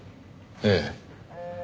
ええ。